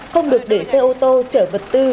không được để xe ô tô chở vật tư